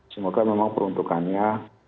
semoga memang peruntukannya